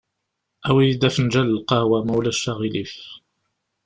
Awi-yi-d afenǧal n lqehwa, ma ulac aɣilif.